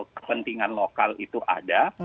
kepentingan lokal itu ada